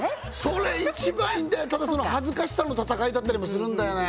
それ一番ただその恥ずかしさの戦いだったりもするんだよね